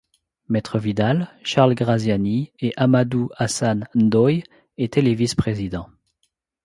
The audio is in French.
Maître Vidal, Charles Graziani et Amadou Assane Ndoye étaient les vice-présidents.